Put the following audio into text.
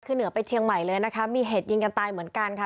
คือเหนือไปเชียงใหม่เลยนะคะมีเหตุยิงกันตายเหมือนกันค่ะ